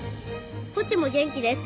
「ポチも元気です」